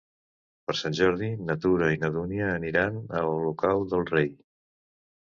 Per Sant Jordi na Tura i na Dúnia aniran a Olocau del Rei.